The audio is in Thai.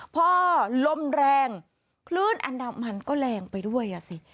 พอลมแรงคลื่นอันดามันก็แรงไปด้วยอ่ะสิ